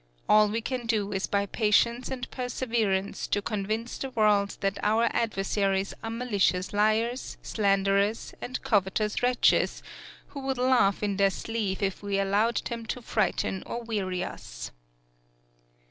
All we can do is by patience and perseverance to convince the world that our adversaries are malicious liars, slanderers, and covetous wretches, who would laugh in their sleeve if we allowed them to frighten or weary us.